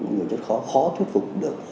nhiều chất khó thuyết phục được